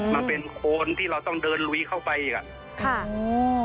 มันเป็นโคนที่เราต้องเดินลุยเข้าไปยัง